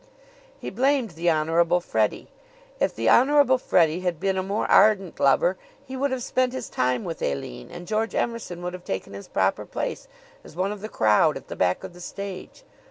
He blamed the Honorable Freddie. If the Honorable Freddie had been a more ardent lover he would have spent his time with Aline, and George Emerson would have taken his proper place as one of the crowd at the back of the stage.